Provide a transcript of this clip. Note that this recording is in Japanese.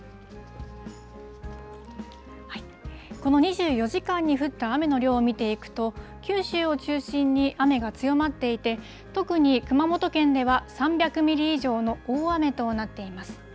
この２４時間に降った雨の量を見ていくと、九州を中心に雨が強まっていて、特に熊本県では３００ミリ以上の大雨となっています。